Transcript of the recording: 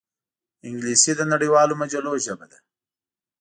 انګلیسي د نړیوالو مجلو ژبه ده